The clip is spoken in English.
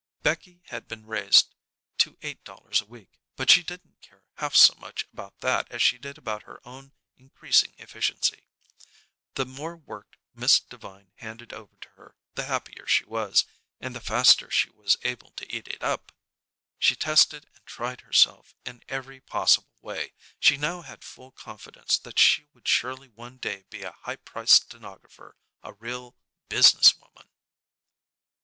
Becky had been raised to eight dollars a week; but she didn't care half so much about that as she did about her own increasing efficiency. The more work Miss Devine handed over to her the happier she was, and the faster she was able to eat it up. She tested and tried herself in every possible way. She now had full confidence that she would surely one day be a high priced stenographer, a real "business woman."